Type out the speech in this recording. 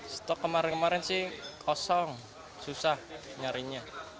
stok kemarin kemarin sih kosong susah nyarinya